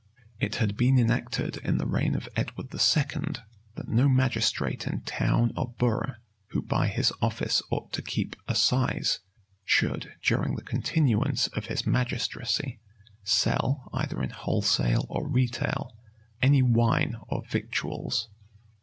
It had been enacted in the reign of Edward II., that no magistrate in town or borough, who by his office ought to keep assize, should, during the continuance of his magistracy, sell, either in wholesale or retail, any wine or victuals.